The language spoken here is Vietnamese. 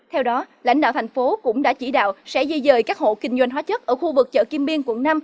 theo đó lãnh đạo thành phố cũng đã chỉ đạo sẽ di dời các hộ kinh doanh hóa chất ở khu vực chợ kim biên quận năm